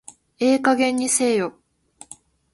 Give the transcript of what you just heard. ええ加減にせえよ